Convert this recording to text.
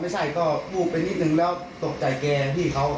ไม่ใช่ก็วูบไปนิดนึงแล้วตกใจแกพี่เขา